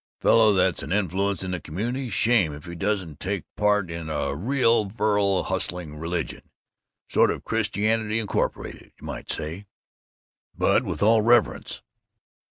Fellow that's an influence in the community shame if he doesn't take part in a real virile hustling religion. Sort of Christianity Incorporated, you might say. "But with all reverence.